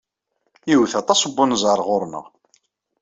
Iwet aṭas n unẓar ɣer-neɣ.